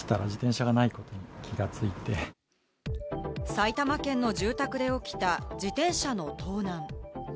埼玉県の住宅で起きた自転車の盗難。